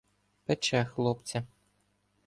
Пече хлопця.